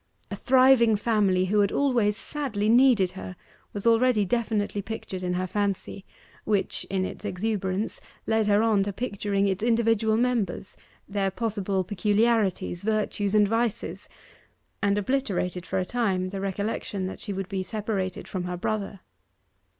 A thriving family, who had always sadly needed her, was already definitely pictured in her fancy, which, in its exuberance, led her on to picturing its individual members, their possible peculiarities, virtues, and vices, and obliterated for a time the recollection that she would be separated from her brother.